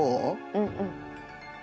うんうん。